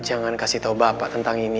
jangan kasih tau bapak tentang ini